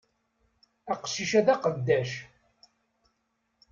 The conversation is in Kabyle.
Aqcic-a d aqeddac!